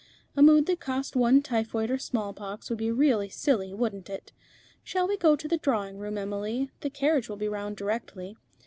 A mood that cost one typhoid or smallpox would be really silly, wouldn't it? Shall we go into the drawing room, Emily? the carriage will be round directly.